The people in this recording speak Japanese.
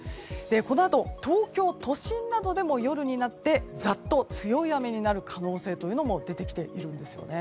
このあと東京都心などでも夜になってざっと強い雨になる可能性も出てきているんです。